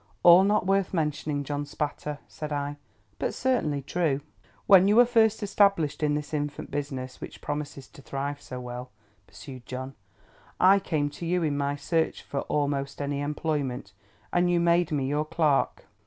"All not worth mentioning, John Spatter," said I, "but certainly true." "When you were first established in this infant business, which promises to thrive so well," pursued John, "I came to you, in my search for almost any employment, and you made me your clerk."